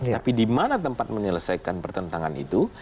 tapi di mana tempat menyelesaikan pertentangan itu